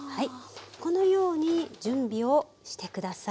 このように準備をして下さい。